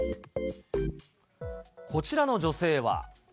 こちらの女性は。